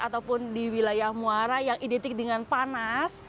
ataupun di wilayah muara yang identik dengan panas